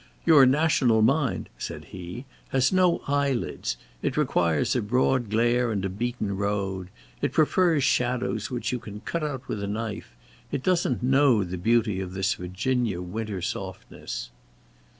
"Your national mind," said he, "has no eyelids. It requires a broad glare and a beaten road. It prefers shadows which you can cut out with a knife. It doesn't know the beauty of this Virginia winter softness."